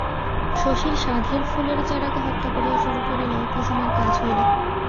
শশীর সাধের ফুলের চারাকে হত্যা করিয়া শুরু করিলেও কুসুমের কাজ হইল।